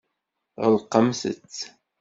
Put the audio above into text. Ɣelqemt-t.